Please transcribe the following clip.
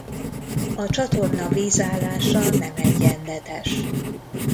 A csatorna vízállása nem egyenletes.